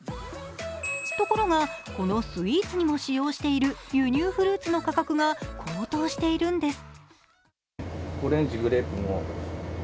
ところがこのスイーツにも使用している輸入フルーツの価格が高騰しているんです。